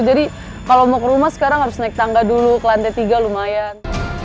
jadi kalau mau ke rumah sekarang harus naik tangga dulu ke lantai tiga lumayan